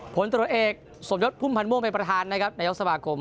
ผลตรวจเอกสมยศพุ่มพันธ์ม่วงเป็นประธานนะครับนายกสมาคม